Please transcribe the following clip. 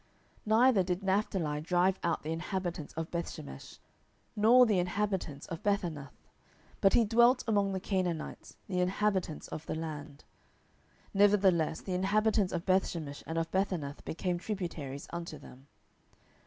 07:001:033 Neither did Naphtali drive out the inhabitants of Bethshemesh, nor the inhabitants of Bethanath; but he dwelt among the Canaanites, the inhabitants of the land: nevertheless the inhabitants of Bethshemesh and of Bethanath became tributaries unto them.